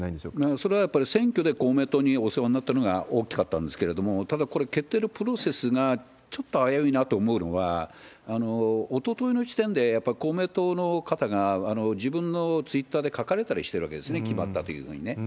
それはやっぱり選挙で公明党にお世話になったのが大きかったんですけれども、ただ、これ、決定のプロセスがちょっと危ういなと思うのは、おとといの時点で、やっぱり公明党の方が自分のツイッターで書かれたりしてるわけですね、決まったというふうにね。